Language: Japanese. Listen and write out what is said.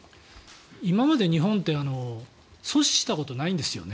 今まで日本って阻止したことがないんですよね。